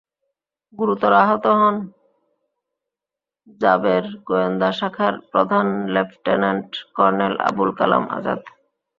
গুরুতর আহত হন র্যাবের গোয়েন্দা শাখার প্রধান লেফটেন্যান্ট কর্নেল আবুল কালাম আজাদ।